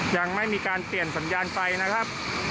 ยังไม่มีการเปลี่ยนสัญญาณไฟนะครับ